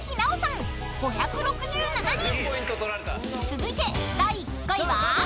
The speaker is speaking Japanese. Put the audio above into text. ［続いて第５位は？］